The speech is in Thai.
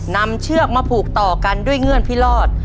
เชือกมาผูกต่อกันด้วยเงื่อนพิรอด